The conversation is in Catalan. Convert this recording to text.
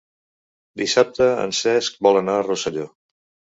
Dissabte en Cesc vol anar a Rosselló.